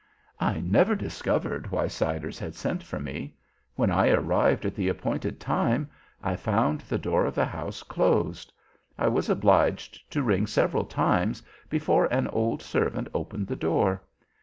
"I never discovered why Siders had sent for me. When I arrived at the appointed time I found the door of the house closed. I was obliged to ring several times before an old servant opened the door.